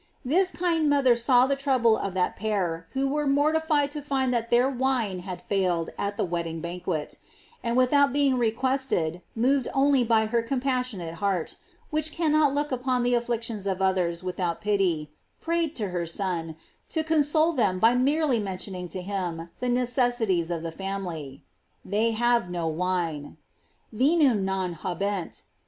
This kind mother saw the trouble of that pair who were mortified to find that their wine had failed at the wedding banquet; and without being re quested, moved only by her compassionate heart, which cannot look upon the afflictions of others without pity, prayed her Son, to console them by merely mentioning to him the necessi ties of the family: They have no wine: J "Vi num non habent."